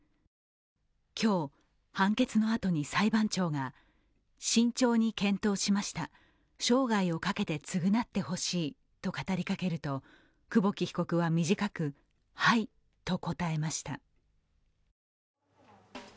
今日、判決のあとに裁判長が、慎重に検討しました、生涯をかけて償ってほしいと語りかけると久保木被告は短く「はい」と答えました。